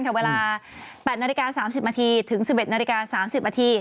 เวลา๘นาฬิกา๓๐นาทีถึง๑๑นาฬิกา๓๐นาที